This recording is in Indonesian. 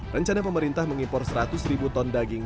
rencana pemerintah mengimpor seratus ribu ton daging